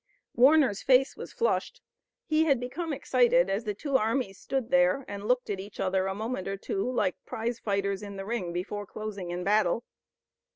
Warner's face was flushed. He had become excited, as the two armies stood there, and looked at each other a moment or two like prize fighters in the ring before closing in battle.